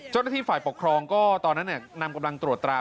เจ้าหน้าที่ฝ่ายปกครองก็ตอนนั้นนำกำลังตรวจตรา